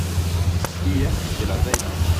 Hier, c’était la veille.